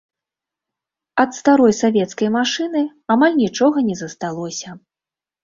Ад старой савецкай машыны амаль нічога не засталося.